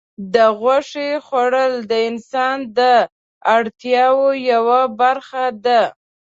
د غوښې خوړل د انسان د اړتیاوو یوه برخه ده.